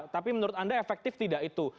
tapi menurut anda efektif tidak itu